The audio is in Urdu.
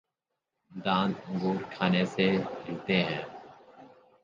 دانت انگور کھانے سے ہلتے تھے